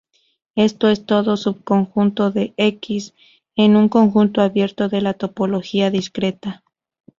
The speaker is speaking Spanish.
Esto es, todo subconjunto de "X" es un conjunto abierto en la topología discreta.